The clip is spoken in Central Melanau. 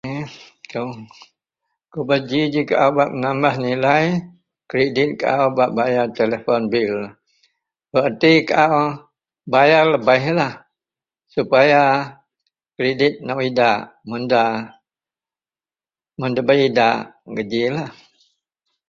Kubeji ji kaau bak menamah nilai kredit kaau bak bayar telepon bill? Bereti kaau bayar lebehlah supaya kredit nou idak. Mun nda, mun ndabei idak kejilah.